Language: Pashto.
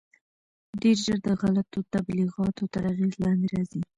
ډېر ژر د غلطو تبلیغاتو تر اغېز لاندې راځي.